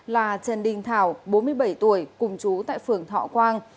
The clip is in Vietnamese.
là trần đình thảo bốn mươi bảy tuổi cùng chú tại phường thọ quang